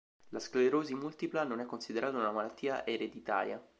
La sclerosi multipla non è considerata una malattia ereditaria.